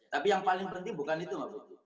tapi yang paling penting bukan itu pak bu